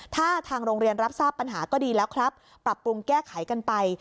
ถ้าทางโรงเรียนรับทราบปัญหาก็ดีแล้วครับปรับปรุงแก้ไขกันไป